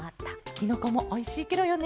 きのこもおいしいケロよね。